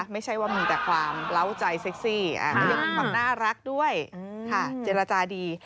ไม่ใช่ว่ามีแต่ความเล้าใจเซ็กซี่และยังมีความน่ารักด้วยค่ะเจรจาดี